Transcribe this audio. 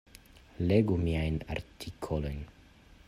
Legu miajn artikolojn.